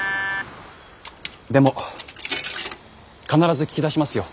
でも必ず聞き出しますよ。